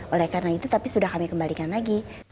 oleh karena itu tapi sudah kami kembalikan lagi